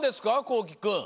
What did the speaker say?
こうきくん。